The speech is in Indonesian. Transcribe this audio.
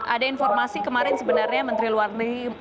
ada informasi kemarin sebenarnya menteri luar negeri